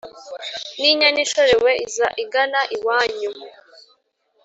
N'inyana ishorerwe iza igana iwanyu